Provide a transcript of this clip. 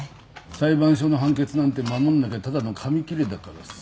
裁判所の判決なんて守んなきゃただの紙切れだからさ。